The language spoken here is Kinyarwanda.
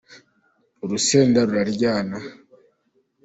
Urusenda ruraryana.